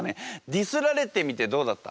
ディスられてみてどうだった？